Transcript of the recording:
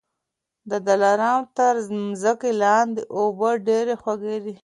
د دلارام تر مځکې لاندي اوبه ډېري خوږې دي